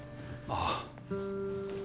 ああ。